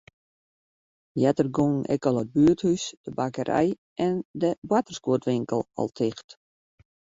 Earder gongen ek it buerthûs, de bakkerij en de boartersguodwinkel al ticht.